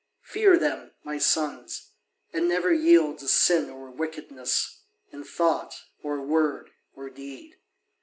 Fear them, my sons, and never yield to sin or wickedness, in thought or word or deed.